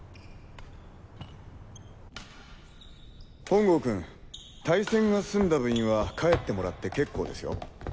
本郷君対戦が済んだ部員は帰ってもらって結構ですよ。